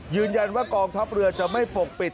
ยืนยันว่ากองทัพเรือจะไม่ปกปิด